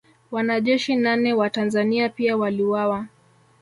Wanajeshi nane wa Tanzania pia waliuawa